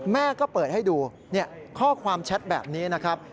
แม่ก็เปิดให้ดูข้อความแชทแบบนี้นะครับ